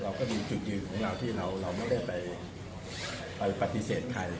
ก็มีจุดยืนของเราที่เราไม่ได้ไปปฏิเสธใคร